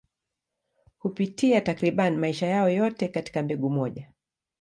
Hupitia takriban maisha yao yote katika mbegu moja.